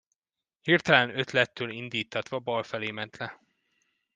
Hirtelen ötlettől indíttatva bal felé ment le.